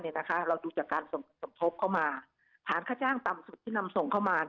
เราดูจากการสมทบเข้ามาฐานค่าจ้างต่ำสุดที่นำส่งเข้ามา